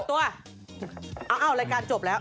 ตัวโอ้โหรายการจบแล้ว